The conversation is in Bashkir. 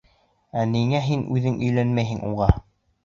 Ә ниңә һин үҙең өйләнмәйһең уға?